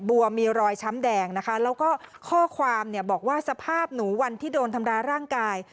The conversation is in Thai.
บัวมีรอยช้ำแดงนะคะแล้วก็ข้อความเนี่ยบอกว่าสภาพหนูวันที่โดนทำร้ายร่างกาย